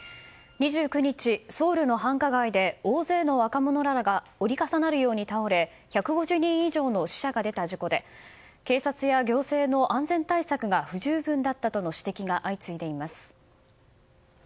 ２９日、ソウルの繁華街で大勢の若者らが折り重なるように倒れ１５０人以上の死者が出た事故で警察や行政の安全対策が不十分だったとの指摘が相次いでいます。